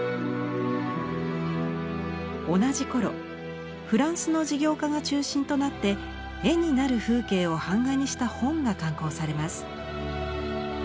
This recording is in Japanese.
同じ頃フランスの事業家が中心となって「絵になる風景」を版画にした本が刊行されます。